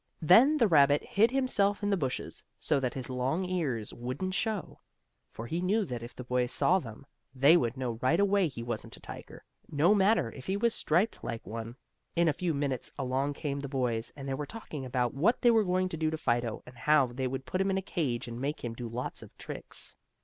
Then the rabbit hid himself in the bushes, so that his long ears wouldn't show. For he knew that if the boys saw them, they would know right away he wasn't a tiger, no matter if he was striped like one. In a few minutes along came the boys, and they were talking about what they were going to do to Fido, and how they would put him in a cage, and make him do lots of tricks.